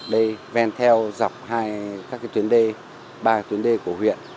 đây ven theo dọc hai các tuyến đê ba tuyến đê của huyện